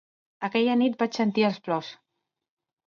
Aquella nit vaig sentir els plors.